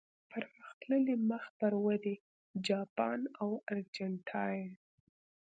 پرمختللي، مخ پر ودې، جاپان او ارجنټاین.